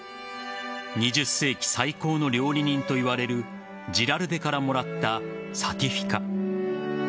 ２０世紀最高の料理人といわれるジラルデからもらったサティフィカ。